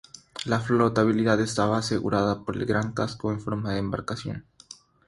La flotabilidad estaba asegurada por el gran casco en forma de embarcación.